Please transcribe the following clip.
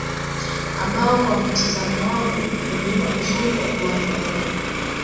ambao kwa mtizamo wangu ni Mlima mzuri wa kuanza nao